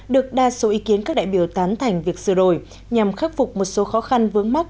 được đa số ý kiến các đại biểu tán thành việc sửa đổi nhằm khắc phục một số khó khăn vướng mắt